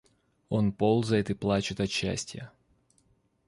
Он ползает и плачет от счастья.